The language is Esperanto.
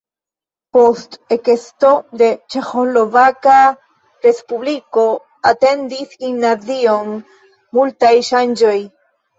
Post ekesto de Ĉeĥoslovaka Respubliko atendis gimnazion multaj ŝanĝoj.